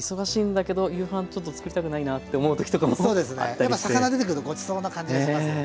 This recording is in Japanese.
やっぱ魚出てくるとごちそうな感じがしますよね。